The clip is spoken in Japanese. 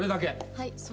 はい。